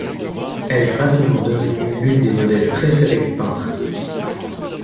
Elle est rapidement devenue l'une des modèles préférées du peintre.